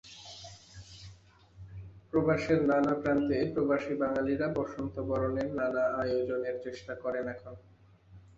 প্রবাসের নানা প্রান্তে প্রবাসী বাঙালিরা বসন্তবরণের নানা আয়োজনের চেষ্টা করেন এখন।